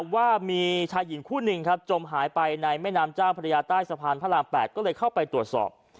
ว่ามีชายหญิงคู่หนึ่งครับจมหายไปในแม่น้ำเจ้าพระยาใต้สะพานพระราม๘ก็เลยเข้าไปตรวจสอบ